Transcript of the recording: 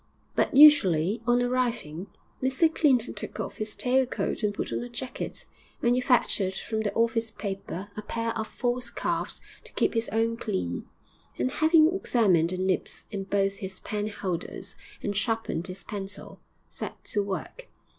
But usually, on arriving, Mr Clinton took off his tail coat and put on a jacket, manufactured from the office paper a pair of false cuffs to keep his own clean, and having examined the nibs in both his penholders and sharpened his pencil, set to work.